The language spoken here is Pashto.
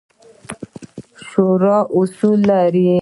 شورا اصول لري